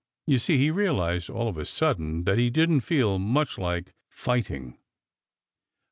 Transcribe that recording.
You see he realized all of a sudden that he didn't feel much like fighting.